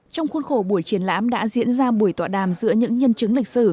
trong khuôn khổ buổi triển lãm đã diễn ra buổi tọa đàm giữa những nhân chứng lịch sử